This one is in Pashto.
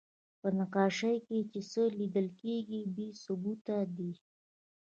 په نقاشۍ کې چې څه لیدل کېږي، بې ثبوته دي.